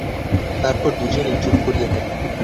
তারপর দুজনেই চুপ করিয়া থাকে।